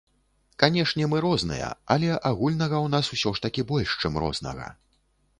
Канешне, мы розныя, але агульнага ў нас усё ж такі больш, чым рознага.